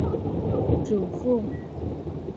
祖父卫从政。